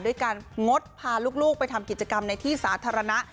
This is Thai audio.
ด้วยการงดพาลูกไปทำกิจกรรมในที่สาธารณะ